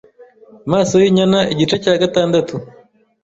Masoyinyana Igice cya gatandatu